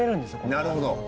なるほど。